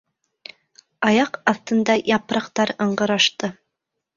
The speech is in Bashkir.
Аяҡ аҫтында япраҡтар ыңғырашты...